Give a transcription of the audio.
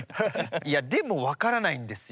いやでも分からないんですよ。